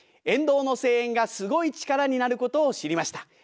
沿道の声援がすごい力になることを知りました。